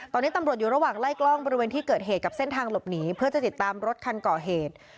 ตอนนี้ตำรวจอยู่ระหว่างไล่กล้องบริเวณที่เกิดเหตุกับเส้นทางหลบหนีเพื่อจะติดตามรถคันก่อเหตุ